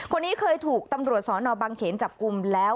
คนนี้เคยถูกตำรวจสอนอบังเขนจับกลุ่มแล้ว